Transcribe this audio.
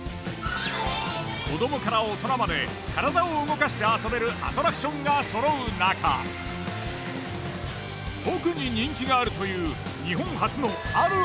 子どもから大人まで体を動かして遊べるアトラクションが揃うなか特に人気があるという。